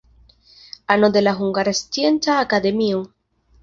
Ano de la Hungara Scienca Akademio.